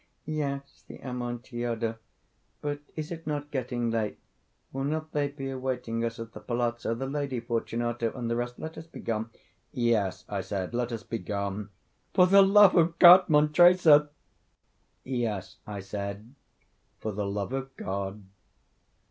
he!—yes, the Amontillado. But is it not getting late? Will not they be awaiting us at the palazzo, the Lady Fortunato and the rest? Let us be gone." "Yes," I said, "let us be gone." "For the love of God, Montressor!" "Yes," I said, "for the love of God!"